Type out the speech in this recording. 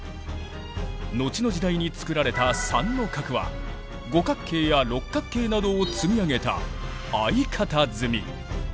後の時代に作られた三の郭は五角形や六角形などを積み上げた相方積み。